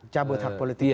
cabut hak politiknya